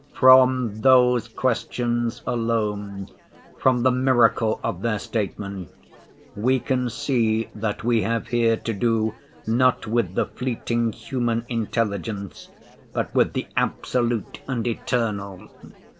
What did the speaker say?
From those questions alone, from the miracle of their statement, we can see that we have here to do not with the fleeting human intelligence, but with the absolute and eternal.